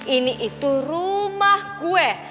ini itu rumah gue